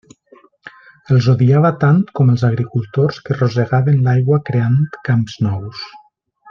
Els odiava tant com els agricultors que rosegaven l'aigua creant camps nous.